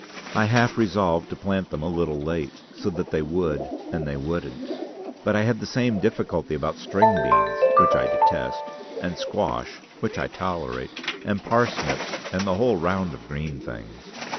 I half resolved to plant them a little late, so that they would, and they wouldn't. But I had the same difficulty about string beans (which I detest), and squash (which I tolerate), and parsnips, and the whole round of green things.